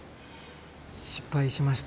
失敗しました。